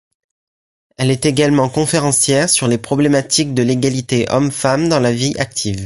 Elle est également conférencière sur les problématiques de l'égalité homme-femme dans la vie active.